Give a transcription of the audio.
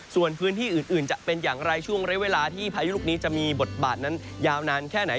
ส่วนพื้นที่อื่นจะเป็นอย่างไรช่วงเรียกเวลาที่พายุลูกนี้จะมีบทบาทนั้นยาวนานแค่ไหน